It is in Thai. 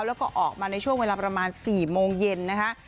แล้วก็ออกมาในช่วงเวลาประมาณ๔โมงเย็นนะคะ